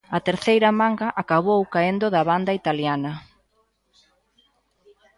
A terceira manga acabou caendo da banda italiana.